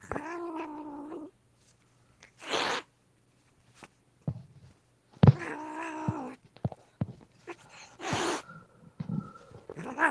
কিন্তু ক্লিন্ট ম্যাকাইয়ের তৃতীয় বলে ক্যাচ তুলে দিলেন ময়েজেস হেনরিকেসের হাতে।